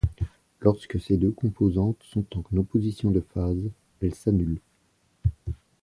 Lorsque ces deux composantes sont en opposition de phase, elles s'annulent.